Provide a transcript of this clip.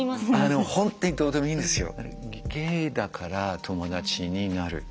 でも本当にどうでもいいんですよ。